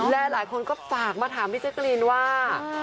และหลายคนก็ฝากมาถามพี่แจ๊กรีนว่า